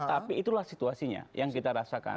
tapi itulah situasinya yang kita rasakan